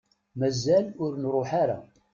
Mazal ur nruḥ ara.